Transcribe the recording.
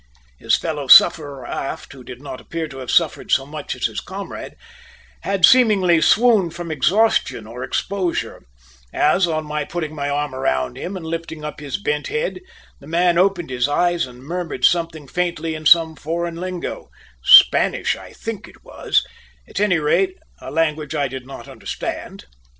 His fellow sufferer aft, who did not appear to have suffered so much as his comrade, had seemingly swooned from exhaustion or exposure; as, on my putting my arm round him and lifting up his bent head, the man opened his eyes and murmured something faintly in some foreign lingo Spanish, I think it was; at any rate a language I did not understand.